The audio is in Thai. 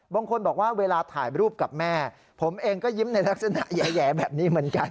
บางคนบอกว่าเวลาถ่ายรูปกับแม่ผมเองก็ยิ้มในลักษณะแหย่แบบนี้เหมือนกัน